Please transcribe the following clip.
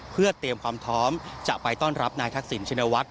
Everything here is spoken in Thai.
เพื่อเตรียมความพร้อมจะไปต้อนรับนายทักษิณชินวัฒน